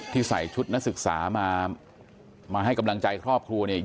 ใส่ชุดนักศึกษามาให้กำลังใจครอบครัวเนี่ย